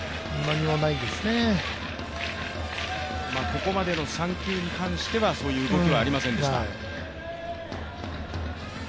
ここまでの３球に関してはそういう動きはありませんでした。